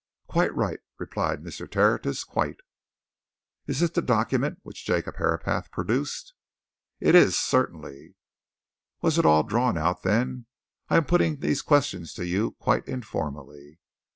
"Quite right," replied Mr. Tertius. "Quite!" "Is this the document which Jacob Herapath produced?" "It is certainly." "Was it all drawn out then? I am putting these questions to you quite informally."